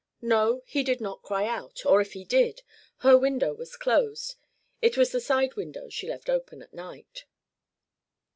No, he did not cry out or if he did her window was closed; it was the side window she left open at night.